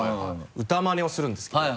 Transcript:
歌まねをするんですけど。